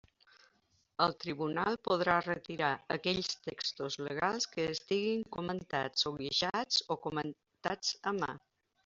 El tribunal podrà retirar aquells textos legals que estiguin comentats o guixats o comentats a mà.